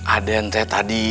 aden teh tadi